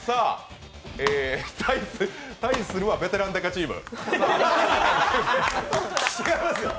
対するはベテラン刑事チーム。